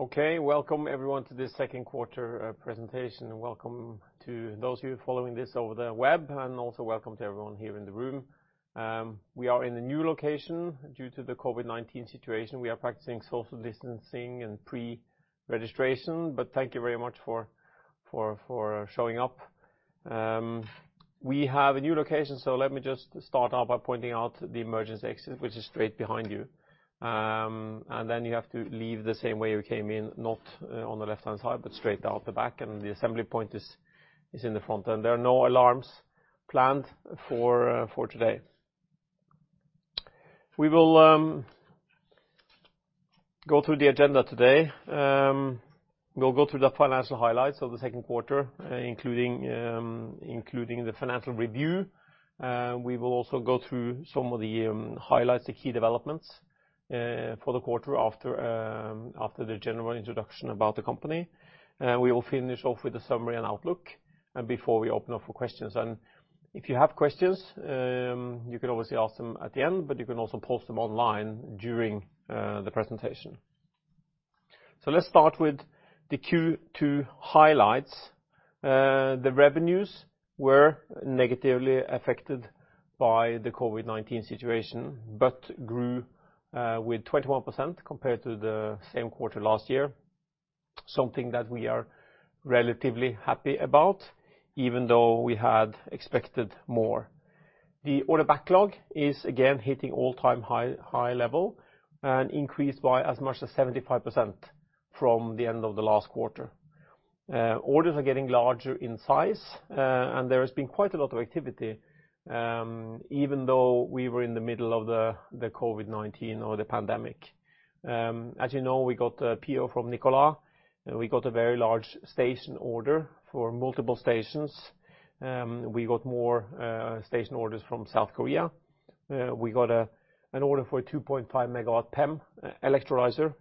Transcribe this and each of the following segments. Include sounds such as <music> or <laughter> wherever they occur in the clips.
Okay, welcome everyone to this second quarter presentation. Welcome to those who are following this over the web, and also welcome to everyone here in the room. We are in a new location due to the COVID-19 situation. We are practicing social distancing and pre-registration, but thank you very much for showing up. We have a new location, so let me just start off by pointing out the emergency exit, which is straight behind you. You have to leave the same way you came in, not on the left-hand side, but straight out the back, and the assembly point is in the front. There are no alarms planned for today. We will go through the agenda today. We'll go through the financial highlights of the second quarter, including the financial review. We will also go through some of the highlights, the key developments for the quarter after the general introduction about the company. We will finish off with a summary and outlook before we open up for questions. If you have questions, you can obviously ask them at the end, but you can also post them online during the presentation. Let's start with the Q2 highlights. The revenues were negatively affected by the COVID-19 situation, but grew with 21% compared to the same quarter last year. Something that we are relatively happy about, even though we had expected more. The order backlog is again hitting all-time high level and increased by as much as 75% from the end of the last quarter. Orders are getting larger in size, and there has been quite a lot of activity, even though we were in the middle of the COVID-19 or the pandemic. As you know, we got a PO from Nikola. We got a very large station order for multiple stations. We got more station orders from South Korea. We got an order for a 2.5 MW PEM electrolyzer.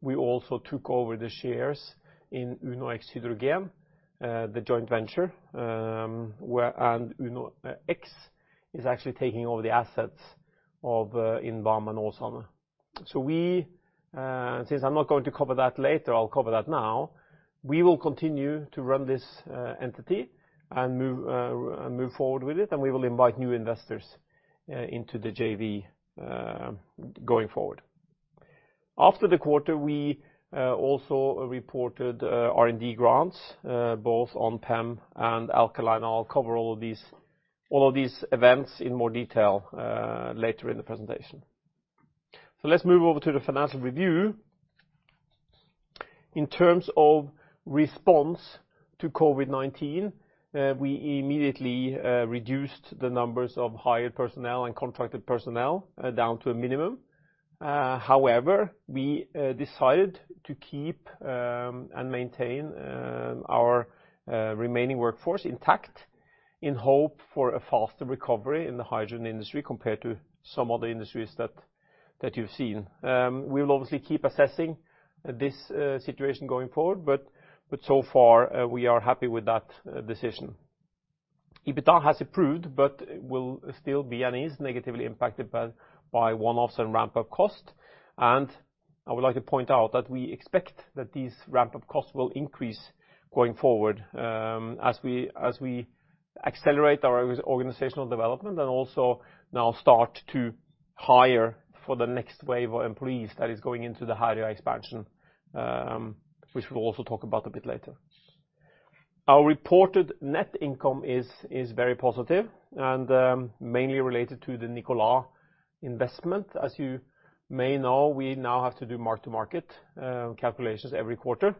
We also took over the shares in Uno-X Hydrogen, the joint venture, and Uno-X is actually taking over the assets in Bærum and Åsane. Since I'm not going to cover that later, I'll cover that now. We will continue to run this entity and move forward with it, and we will invite new investors into the JV going forward. After the quarter, we also reported R&D grants, both on PEM and alkaline. I'll cover all of these events in more detail later in the presentation. Let's move over to the financial review. In terms of response to COVID-19, we immediately reduced the numbers of hired personnel and contracted personnel down to a minimum. However, we decided to keep and maintain our remaining workforce intact in hope for a faster recovery in the hydrogen industry compared to some other industries that you've seen. We will obviously keep assessing this situation going forward, but so far, we are happy with that decision. EBITA has improved but will still be and is negatively impacted by one-offs and ramp-up costs. I would like to point out that we expect that these ramp-up costs will increase going forward as we accelerate our organizational development and also now start to hire for the next wave of employees that is going into the Herøya expansion, which we'll also talk about a bit later. Our reported net income is very positive and mainly related to the Nikola investment. As you may know, we now have to do mark-to-market calculations every quarter,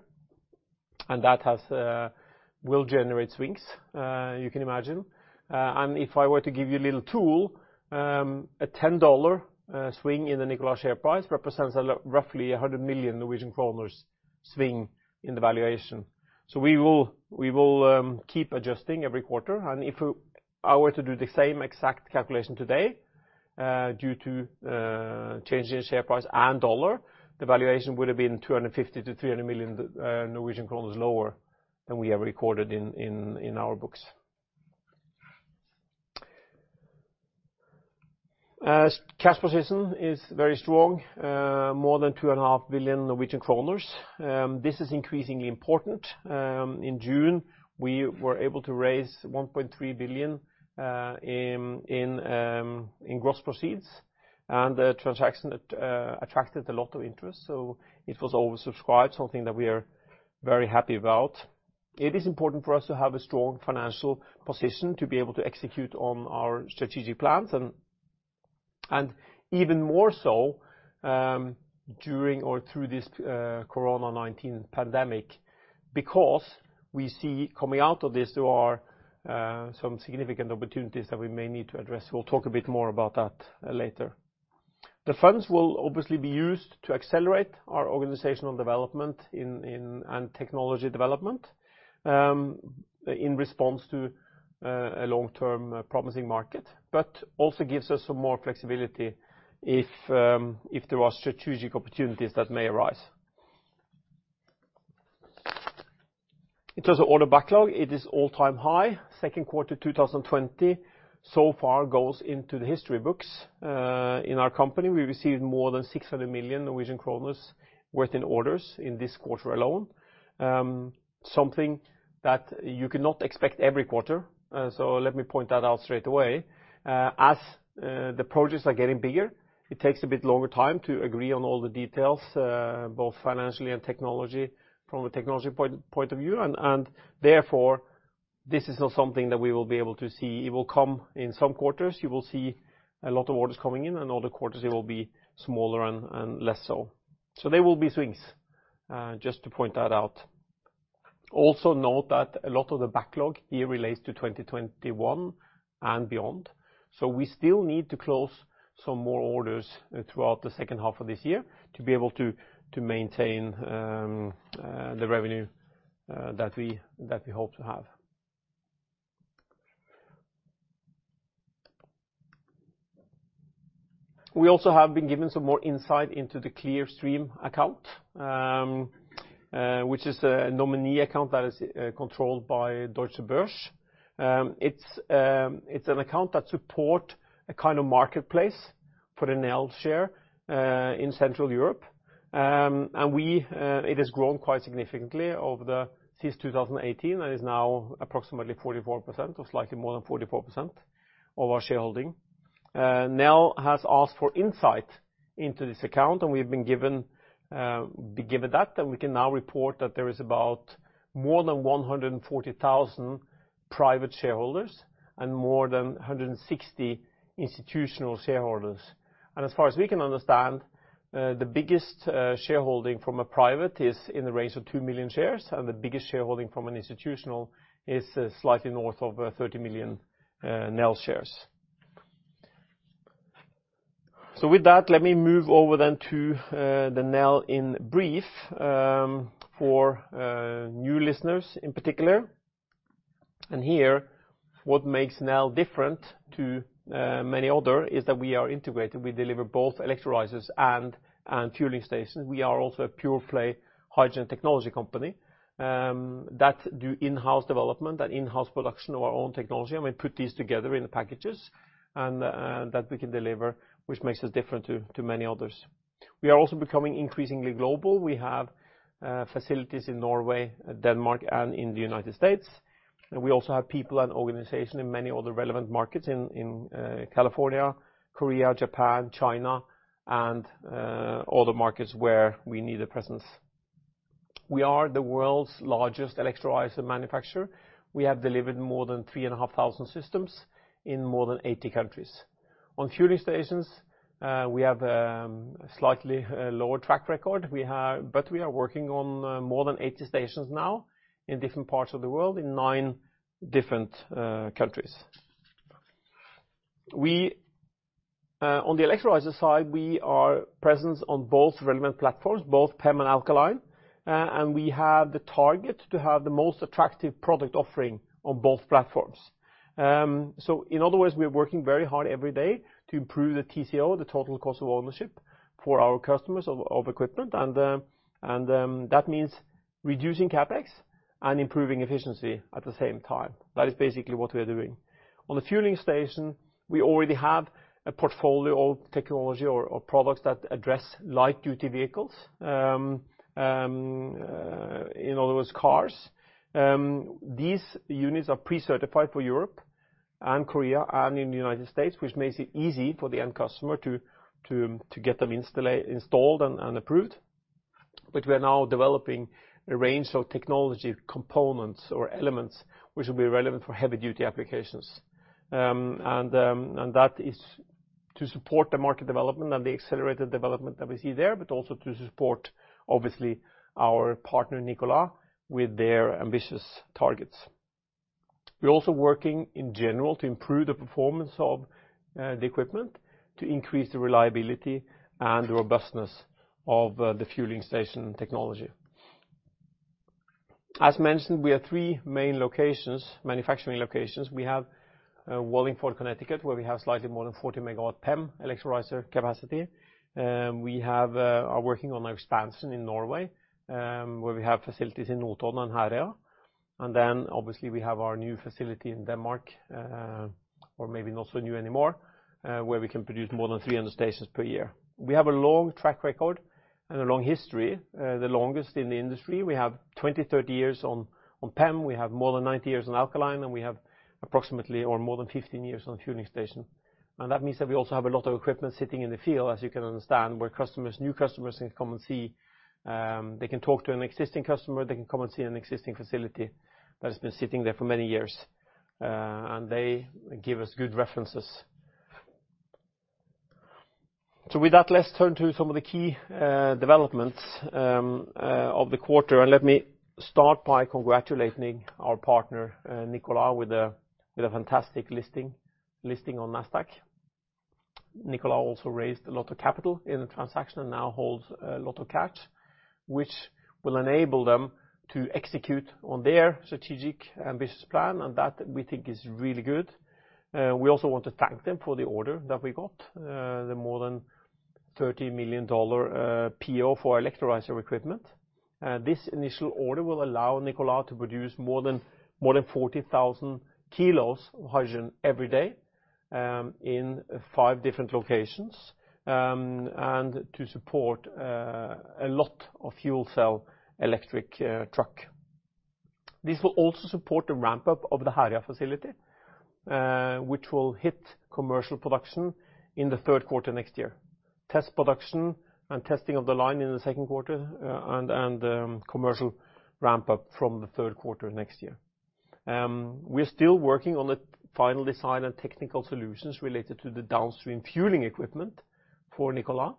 and that will generate swings, you can imagine. If I were to give you a little tool, a $10 swing in the Nikola share price represents roughly 100 million Norwegian kroner swing in the valuation. We will keep adjusting every quarter, and if I were to do the same exact calculation today, due to change in share price and dollar, the valuation would have been 250 million-300 million Norwegian kroner lower than we have recorded in our books. Cash position is very strong, more than 2.5 billion Norwegian kroner. This is increasingly important. In June, we were able to raise 1.3 billion in gross proceeds. The transaction attracted a lot of interest. It was oversubscribed, something that we are very happy about. It is important for us to have a strong financial position to be able to execute on our strategic plans, and even more so during or through this COVID-19 pandemic because we see coming out of this, there are some significant opportunities that we may need to address. We'll talk a bit more about that later. The funds will obviously be used to accelerate our organizational development and technology development in response to a long-term promising market, but also gives us some more flexibility if there are strategic opportunities that may arise. In terms of order backlog, it is all-time high. Second quarter 2020 so far goes into the history books. In our company, we received more than 600 million Norwegian kroner worth in orders in this quarter alone. Something that you cannot expect every quarter, so let me point that out straight away. As the projects are getting bigger, it takes a bit longer time to agree on all the details, both financially and from a technology point of view. Therefore, this is not something that we will be able to see. It will come in some quarters. You will see a lot of orders coming in, and other quarters it will be smaller and less so. There will be swings, just to point that out. Also note that a lot of the backlog here relates to 2021 and beyond, so we still need to close some more orders throughout the second half of this year to be able to maintain the revenue that we hope to have. We also have been given some more insight into the Clearstream account, which is a nominee account that is controlled by Deutsche Börse. It's an account that support a kind of marketplace for the Nel share in Central Europe. It has grown quite significantly since 2018 and is now approximately 44%, or slightly more than 44%, of our shareholding. Nel has asked for insight into this account, and we've been given that. We can now report that there is about more than 140,000 private shareholders and more than 160 institutional shareholders. As far as we can understand, the biggest shareholding from a private is in the range of 2 million shares, and the biggest shareholding from an institutional is slightly north of 30 million Nel shares. With that, let me move over then to the Nel in brief for new listeners in particular. Here, what makes Nel different to many other is that we are integrated. We deliver both electrolyzers and fueling stations. We are also a pure play hydrogen technology company that do in-house development and in-house production of our own technology, and we put these together in packages that we can deliver, which makes us different to many others. We are also becoming increasingly global. We have facilities in Norway, Denmark, and in the United States. We also have people and organization in many other relevant markets in California, Korea, Japan, China, and other markets where we need a presence. We are the world's largest electrolyzer manufacturer. We have delivered more than 3,500 systems in more than 80 countries. On fueling stations, we have a slightly lower track record, but we are working on more than 80 stations now in different parts of the world, in nine different countries. On the electrolyzer side, we are present on both relevant platforms, both PEM and Alkaline, and we have the target to have the most attractive product offering on both platforms. In other words, we are working very hard every day to improve the TCO, the total cost of ownership, for our customers of equipment, and that means reducing CapEx and improving efficiency at the same time. That is basically what we are doing. On the fueling station, we already have a portfolio of technology or products that address light-duty vehicles. In other words, cars. These units are pre-certified for Europe and Korea and in the United States, which makes it easy for the end customer to get them installed and approved. We are now developing a range of technology components or elements which will be relevant for heavy-duty applications. That is to support the market development and the accelerated development that we see there, but also to support, obviously, our partner, Nikola, with their ambitious targets. We're also working in general to improve the performance of the equipment, to increase the reliability and robustness of the fueling station technology. As mentioned, we have three main manufacturing locations. We have Wallingford, Connecticut, where we have slightly more than 40 MW PEM electrolyzer capacity. We are working on expansion in Norway, where we have facilities in Notodden and Herøya. Then obviously, we have our new facility in Denmark, or maybe not so new anymore, where we can produce more than 300 stations per year. We have a long track record and a long history, the longest in the industry. We have 20, 30 years on PEM. We have more than 90 years on Alkaline, and we have approximately, or more than, 15 years on the fueling station. That means that we also have a lot of equipment sitting in the field, as you can understand, where new customers can come and see. They can talk to an existing customer. They can come and see an existing facility that has been sitting there for many years, and they give us good references. With that, let's turn to some of the key developments of the quarter. Let me start by congratulating our partner, Nikola, with a fantastic listing on Nasdaq. Nikola also raised a lot of capital in the transaction and now holds a lot of cash, which will enable them to execute on their strategic and business plan, and that we think is really good. We also want to thank them for the order that we got, the more than $30 million PO for electrolyzer equipment. This initial order will allow Nikola to produce more than 40,000 kilos of hydrogen every day in five different locations, and to support a lot of fuel cell electric truck. This will also support the ramp-up of the Herøya facility, which will hit commercial production in the third quarter next year. Test production and testing of the line in the second quarter, and commercial ramp-up from the third quarter next year. We're still working on the final design and technical solutions related to the downstream fueling equipment for Nikola.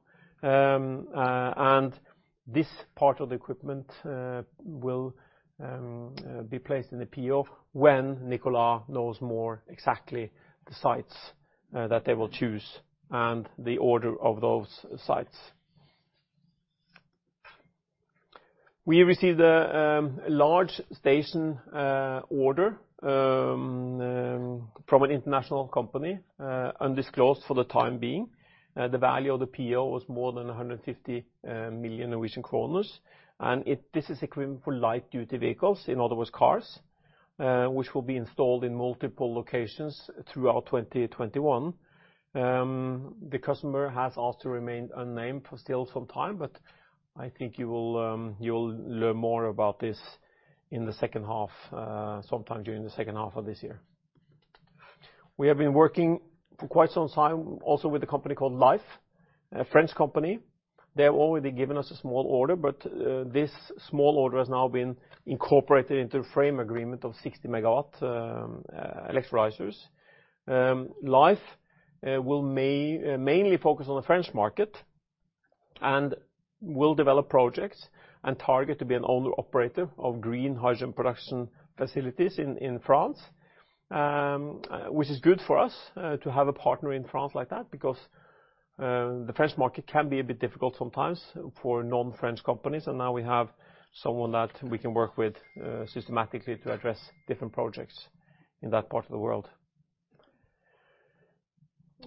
This part of the equipment will be placed in the PO when Nikola knows more exactly the sites that they will choose and the order of those sites. We received a large station order from an international company, undisclosed for the time being. The value of the PO was more than 150 million Norwegian kroner. This is equipment for light-duty vehicles, in other words, cars, which will be installed in multiple locations throughout 2021. The customer has asked to remain unnamed for still some time, but I think you will learn more about this sometime during the second half of this year. We have been working for quite some time also with a company called Lhyfe, a French company. They have already given us a small order, but this small order has now been incorporated into a frame agreement of 60 MW electrolyzers. Lhyfe will mainly focus on the French market and will develop projects and target to be an owner-operator of green hydrogen production facilities in France, which is good for us to have a partner in France like that, because the French market can be a bit difficult sometimes for non-French companies. Now we have someone that we can work with systematically to address different projects in that part of the world.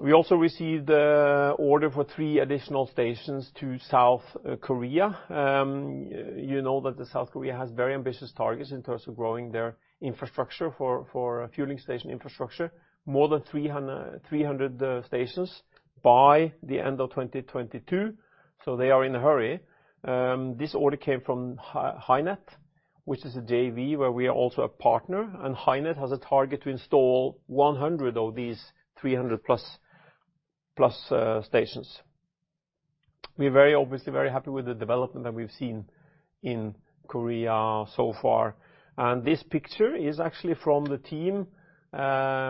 We also received a order for three additional stations to South Korea. You know that the South Korea has very ambitious targets in terms of growing their infrastructure for fueling station infrastructure. More than 300 stations by the end of 2022, so they are in a hurry. This order came from HyNet, which is a JV where we are also a partner, and HyNet has a target to install 100 of these 300+ stations. We're obviously very happy with the development that we've seen in Korea so far, and this picture is actually from the team,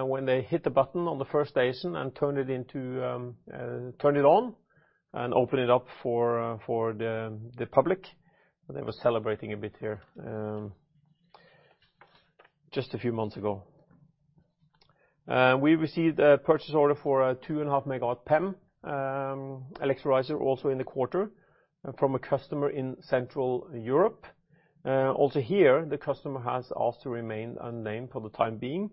when they hit the button on the first station and turned it on and opened it up for the public. They were celebrating a bit here just a few months ago. We received a purchase order for a 2.5 MW PEM electrolyzer also in the quarter from a customer in Central Europe. Also here, the customer has asked to remain unnamed for the time being,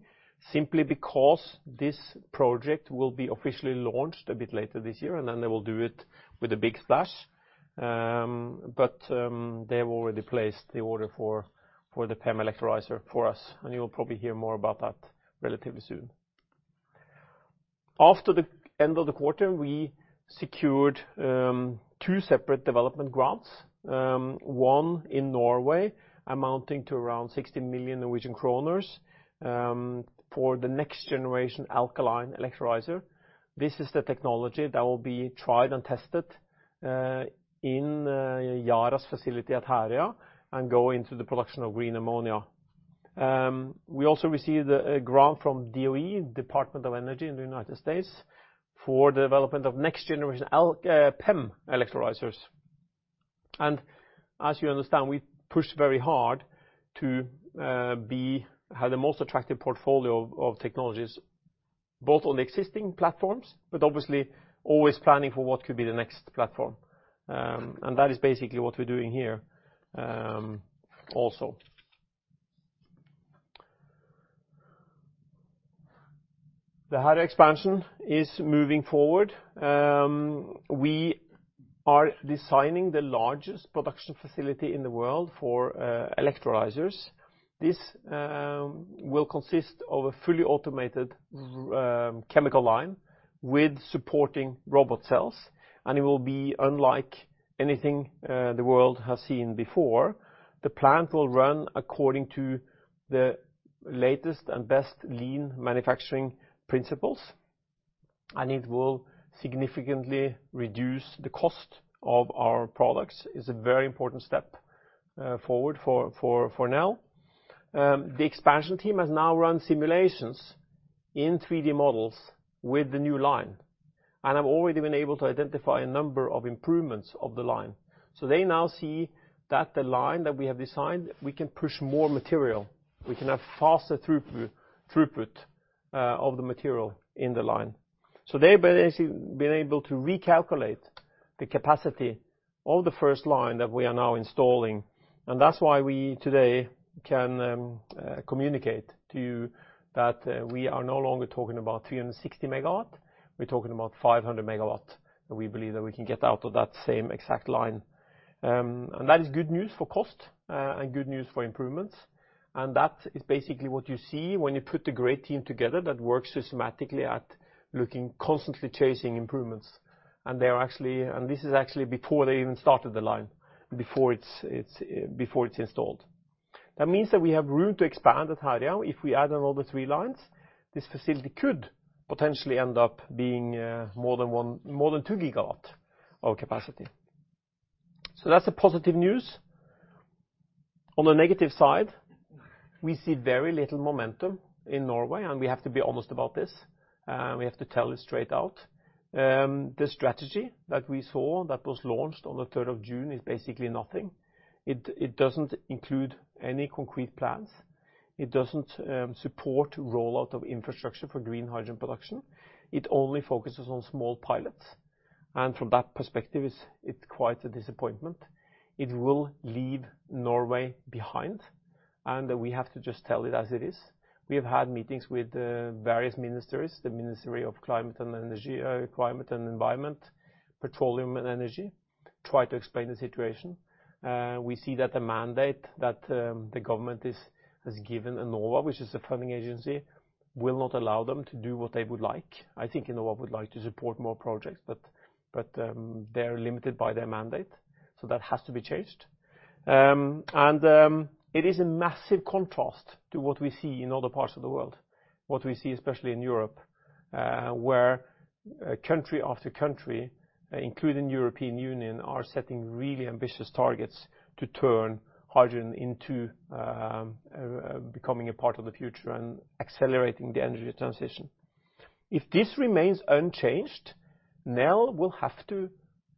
simply because this project will be officially launched a bit later this year, and then they will do it with a big splash. They have already placed the order for the PEM electrolyzer for us, and you'll probably hear more about that relatively soon. After the end of the quarter, we secured two separate development grants. One in Norway amounting to around 60 million Norwegian kroner for the next generation Alkaline electrolyzer. This is the technology that will be tried and tested in Yara's facility at Herøya and go into the production of green ammonia. We also received a grant from DOE, Department of Energy in the United States for development of next generation PEM electrolyzers. As you understand, we push very hard to have the most attractive portfolio of technologies, both on the existing platforms, but obviously always planning for what could be the next platform. That is basically what we're doing here also. The Herøya expansion is moving forward. We are designing the largest production facility in the world for electrolyzers. This will consist of a fully automated chemical line with supporting robot cells, and it will be unlike anything the world has seen before. The plant will run according to the latest and best lean manufacturing principles, and it will significantly reduce the cost of our products. It's a very important step forward for Nel. The expansion team has now run simulations in 3D models with the new line, and have already been able to identify a number of improvements of the line. They now see that the line that we have designed, we can push more material. We can have faster throughput of the material in the line. They have been able to recalculate the capacity all the first line that we are now installing. That's why we today can communicate to you that we are no longer talking about 360 MW, we're talking about 500 MW, that we believe that we can get out of that same exact line. That is good news for cost, and good news for improvements. That is basically what you see when you put a great team together that works systematically at constantly chasing improvements. This is actually before they even started the line, before it's installed. That means that we have room to expand at Herøya. If we add another three lines, this facility could potentially end up being more than 2 GW of capacity. That's the positive news. On the negative side, we see very little momentum in Norway, and we have to be honest about this. We have to tell it straight out. The strategy that we saw that was launched on the 3rd of June is basically nothing. It doesn't include any concrete plans. It doesn't support rollout of infrastructure for green hydrogen production. It only focuses on small pilots. From that perspective, it's quite a disappointment. It will leave Norway behind, and we have to just tell it as it is. We have had meetings with various ministries, the Ministry of Climate and Environment, Petroleum, and Energy, try to explain the situation. We see that the mandate that the government has given Enova, which is the funding agency, will not allow them to do what they would like. I think Enova would like to support more projects, but they are limited by their mandate, so that has to be changed. It is a massive contrast to what we see in other parts of the world, what we see especially in Europe, where country after country, including European Union, are setting really ambitious targets to turn hydrogen into becoming a part of the future and accelerating the energy transition. If this remains unchanged, Nel will have to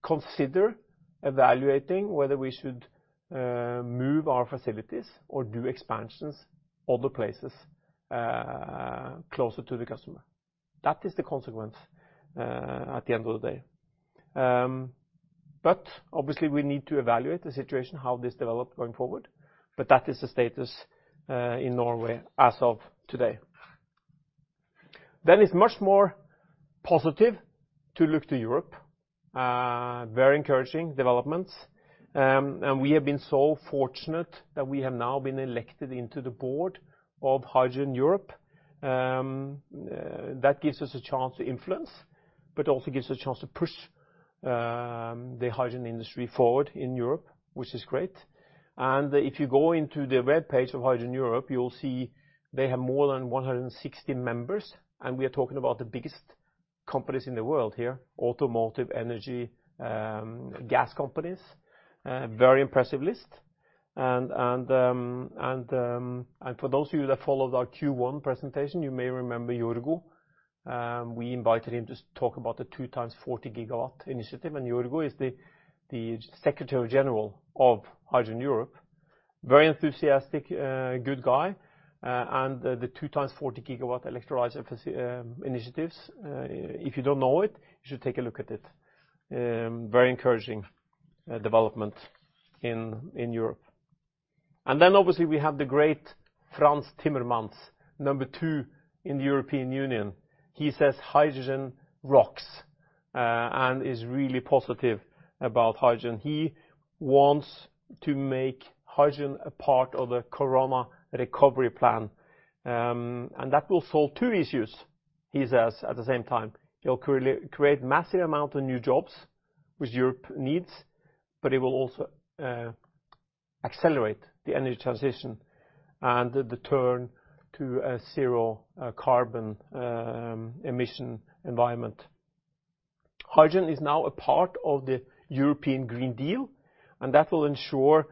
consider evaluating whether we should move our facilities or do expansions other places, closer to the customer. That is the consequence at the end of the day. Obviously we need to evaluate the situation, how this develops going forward. That is the status in Norway as of today. It's much more positive to look to Europe, very encouraging developments. We have been so fortunate that we have now been elected into the board of Hydrogen Europe. That gives us a chance to influence, but also gives us a chance to push the hydrogen industry forward in Europe, which is great. If you go into the webpage of Hydrogen Europe, you will see they have more than 160 members, and we are talking about the biggest companies in the world here: automotive, energy, gas companies. Very impressive list. For those of you that followed our Q1 presentation, you may remember Jorgo. We invited him to talk about the two times 40 GW initiative. Jorgo is the Secretary General of Hydrogen Europe. Very enthusiastic, good guy. The two times 40 GW electrolyzer initiatives, if you don't know it, you should take a look at it. Very encouraging development in Europe. Obviously we have the great Frans Timmermans, number two in the European Union. He says hydrogen rocks, and is really positive about hydrogen. He wants to make hydrogen a part of the Coronavirus recovery plan. That will solve two issues, he says, at the same time. It will create massive amount of new jobs, which Europe needs. It will also accelerate the energy transition and the turn to a zero carbon emission environment. Hydrogen is now a part of the European Green Deal, and that will ensure,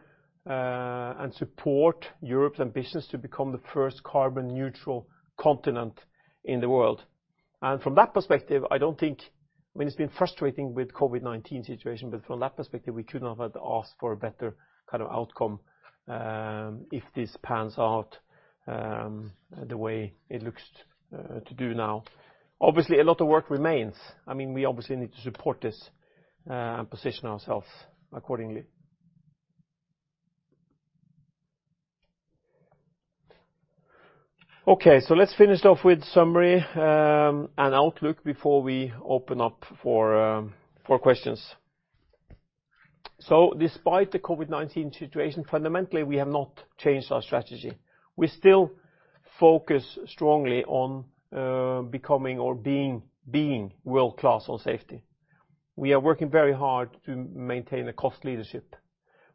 and support Europe's ambition to become the first carbon neutral continent in the world. From that perspective, it's been frustrating with COVID-19 situation, but from that perspective, we could not have asked for a better outcome if this pans out the way it looks to do now. Obviously, a lot of work remains. We obviously need to support this and position ourselves accordingly. Okay, let's finish off with summary, and outlook before we open up for questions. Despite the COVID-19 situation, fundamentally, we have not changed our strategy. We still focus strongly on becoming or being world-class on safety. We are working very hard to maintain a cost leadership.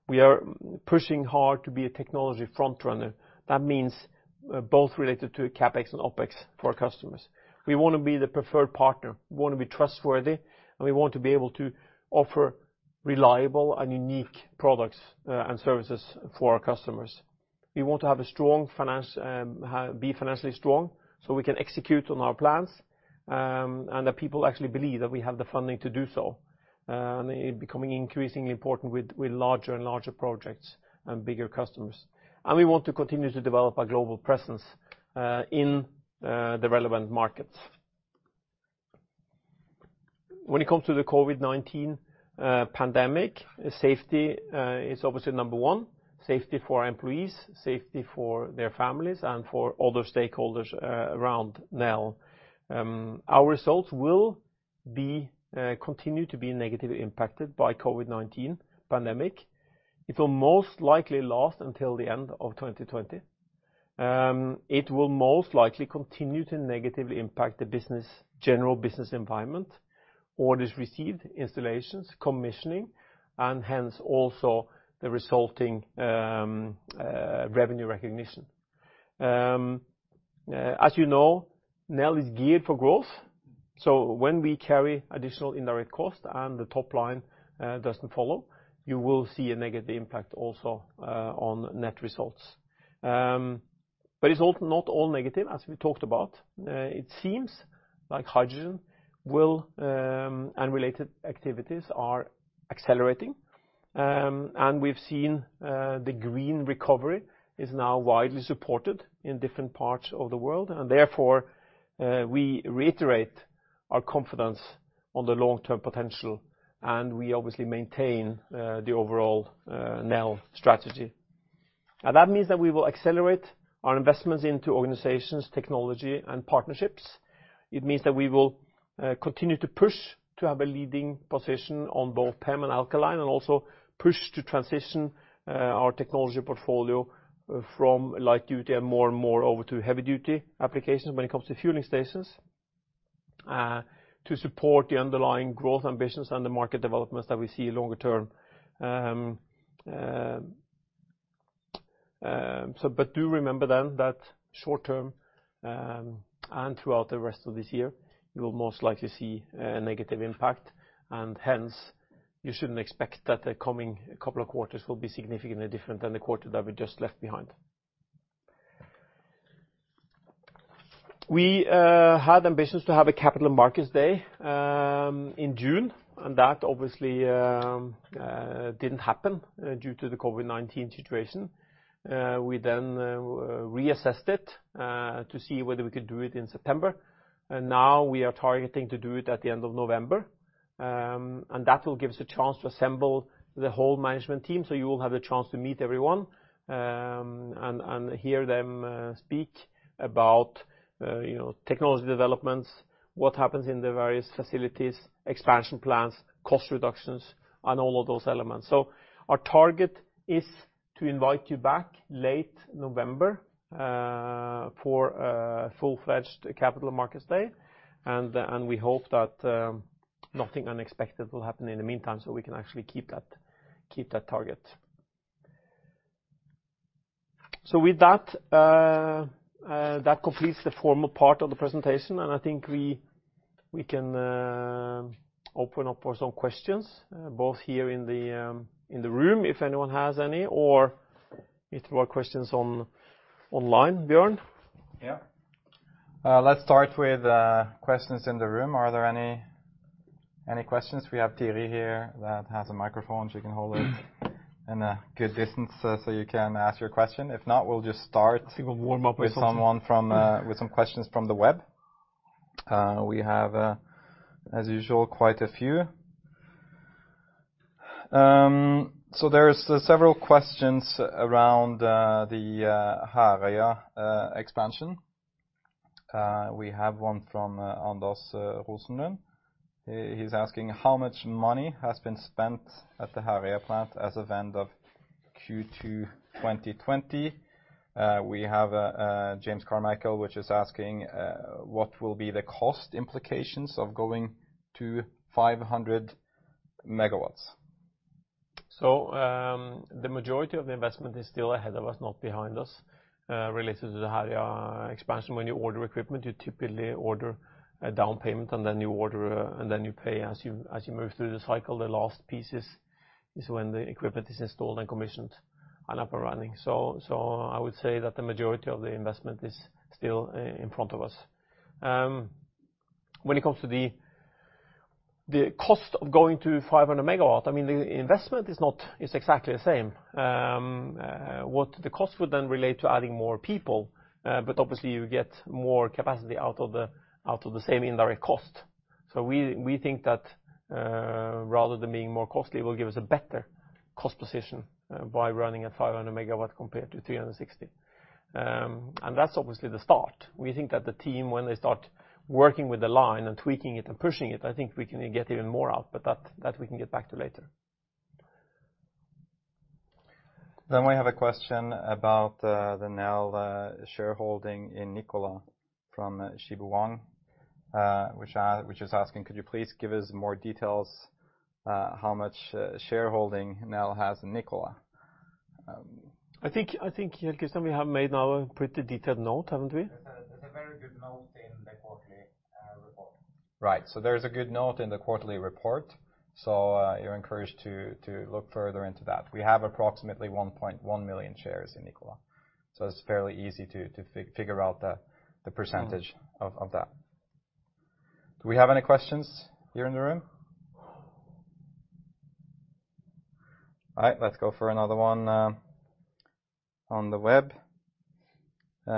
We are pushing hard to be a technology frontrunner. That means both related to CapEx and OpEx for our customers. We want to be the preferred partner, we want to be trustworthy, and we want to be able to offer reliable and unique products and services for our customers. We want to be financially strong so we can execute on our plans, and that people actually believe that we have the funding to do so. It becoming increasingly important with larger and larger projects and bigger customers. We want to continue to develop a global presence in the relevant markets. When it comes to the COVID-19 pandemic, safety is obviously number one. Safety for our employees, safety for their families, and for other stakeholders around Nel. Our results will continue to be negatively impacted by COVID-19 pandemic. It will most likely last until the end of 2020. It will most likely continue to negatively impact the general business environment, orders received, installations, commissioning, and hence also the resulting revenue recognition. As you know, Nel is geared for growth. When we carry additional indirect cost and the top line doesn't follow, you will see a negative impact also on net results. It's not all negative, as we talked about. It seems like hydrogen will, and related activities are accelerating. We've seen the green recovery is now widely supported in different parts of the world, and therefore, we reiterate our confidence on the long-term potential, and we obviously maintain the overall Nel strategy. That means that we will accelerate our investments into organizations, technology, and partnerships. It means that we will continue to push to have a leading position on both PEM and Alkaline and also push to transition our technology portfolio from light-duty and more and more over to heavy-duty applications when it comes to fueling stations, to support the underlying growth ambitions and the market developments that we see longer term. Do remember then that short term, and throughout the rest of this year, you will most likely see a negative impact, and hence you shouldn't expect that the coming couple of quarters will be significantly different than the quarter that we just left behind. We had ambitions to have a capital markets day in June, and that obviously didn't happen due to the COVID-19 situation. We then reassessed it to see whether we could do it in September. Now we are targeting to do it at the end of November, and that will give us a chance to assemble the whole management team so you will have the chance to meet everyone and hear them speak about technology developments, what happens in the various facilities, expansion plans, cost reductions, and all of those elements. Our target is to invite you back late November for a full-fledged capital markets day, and we hope that nothing unexpected will happen in the meantime, so we can actually keep that target. With that completes the formal part of the presentation, and I think we can open up for some questions, both here in the room, if anyone has any, or if there are questions online. Bjørn? Yeah. Let's start with questions in the room. Are there any questions? We have Thierry here that has a microphone. She can hold it in a good distance so you can ask your question. If not, we'll just start. <crosstalk> With some questions from the web. We have, as usual, quite a few. There's several questions around the Herøya expansion. We have one from Anders Rosenlund. He's asking, "How much money has been spent at the Herøya plant as of end of Q2 2020?" We have James Carmichael, which is asking, "What will be the cost implications of going to 500 MW?" The majority of the investment is still ahead of us, not behind us, related to the Herøya expansion. When you order equipment, you typically order a down payment, and then you pay as you move through the cycle. The last piece is when the equipment is installed and commissioned and up and running. I would say that the majority of the investment is still in front of us. When it comes to the cost of going to 500 MW, the investment is exactly the same. What the cost would then relate to adding more people, but obviously you get more capacity out of the same indirect cost. We think that rather than being more costly, it will give us a better cost position by running at 500 MW compared to 360 MW. That's obviously the start. We think that the team, when they start working with the line and tweaking it and pushing it, I think we can get even more out, but that we can get back to later. We have a question about the Nel shareholding in Nikola from Shibu Wang, which is asking, "Could you please give us more details how much shareholding Nel has in Nikola?" I think, Kjell, we have made now a pretty detailed note, haven't we? Right. There's a good note in the quarterly report. You're encouraged to look further into that. We have approximately 1.1 million shares in Nikola, it's fairly easy to figure out the percentage of that. Do we have any questions here in the room? All right. Let's go for another one on the web. There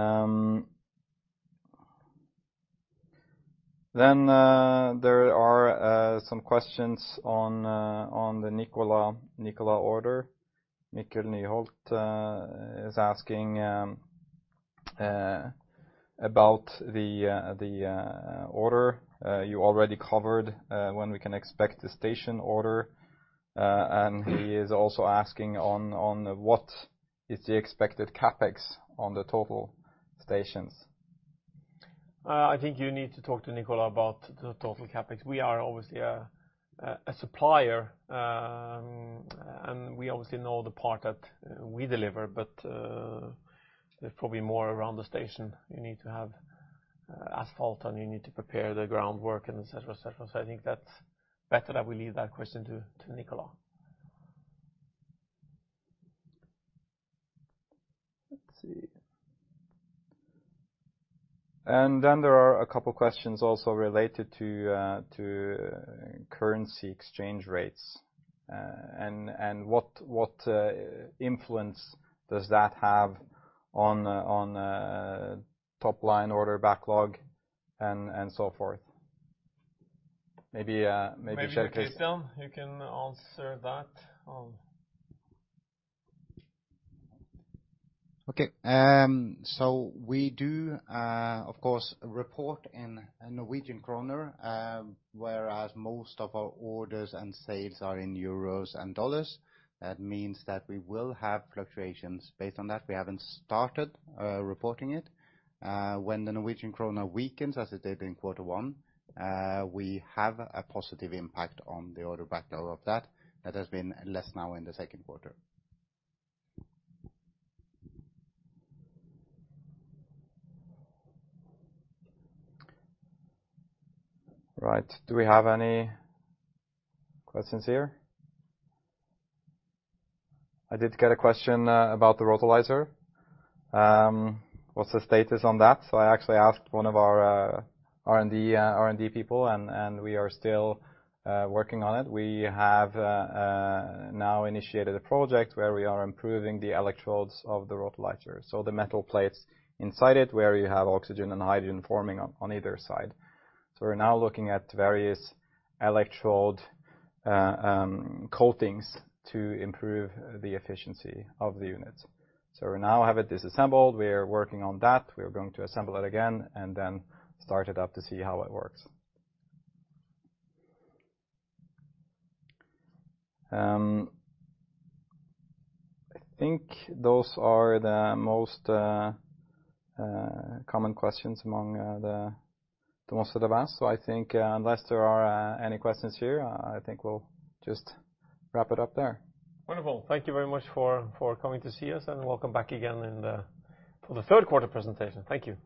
are some questions on the Nikola order. Mikkel Nyholt is asking about the order you already covered, when we can expect the station order. He is also asking what is the expected CapEx on the total stations? I think you need to talk to Nikola about the total CapEx. We are obviously a supplier, and we obviously know the part that we deliver, but there's probably more around the station. You need to have asphalt, and you need to prepare the groundwork, and et cetera. I think that's better that we leave that question to Nikola. Let's see. There are a couple of questions also related to currency exchange rates and what influence does that have on top-line order backlog and so forth. Maybe Kjell. Maybe Kjell, you can answer that. Okay. We do, of course, report in Norwegian kroner whereas most of our orders and sales are in euros and dollars. That means that we will have fluctuations based on that. We haven't started reporting it. When the Norwegian kroner weakens as it did in quarter one, we have a positive impact on the order backlog of that. That has been less now in the second quarter. Right. Do we have any questions here? I did get a question about the RotoLyzer. What's the status on that? I actually asked one of our R&D people, and we are still working on it. We have now initiated a project where we are improving the electrodes of the RotoLyzer. The metal plates inside it, where you have oxygen and hydrogen forming on either side. We're now looking at various electrode coatings to improve the efficiency of the unit. We now have it disassembled. We are working on that. We are going to assemble it again and then start it up to see how it works. I think those are the most common questions among most of the rest. I think unless there are any questions here, I think we'll just wrap it up there. Wonderful. Thank you very much for coming to see us. Welcome back again for the third quarter presentation. Thank you.